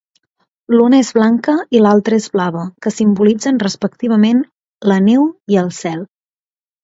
L'una és blanca i l'altra és blava, que simbolitzen respectivament la neu i el cel.